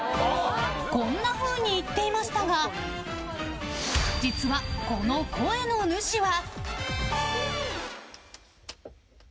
こんなふうに言っていましたが実はこの声の主は。